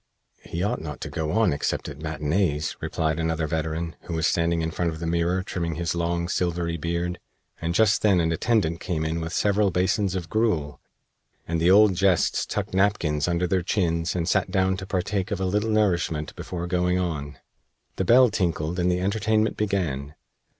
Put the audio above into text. "He ought not to go on except at matinees," replied another veteran, who was standing in front of the mirror trimming his long, silvery beard, and just then an attendant came in with several basins of gruel, and the old Jests tucked napkins under their chins and sat down to partake of a little nourishment before going on. The bell tinkled and the entertainment began.